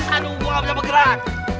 aduh gua ga bisa bergerak